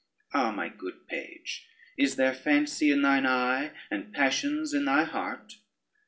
Ah, my good page, is there fancy in thine eye, and passions in thy heart?